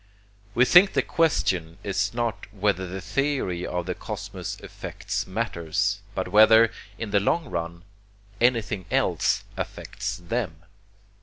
We think the question is not whether the theory of the cosmos affects matters, but whether, in the long run, anything else affects them."